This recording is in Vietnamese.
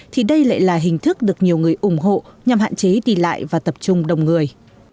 thì đây lại là hình thức được nhiều người ủng hộ nhằm hạn chế đi lại và tập trung đông người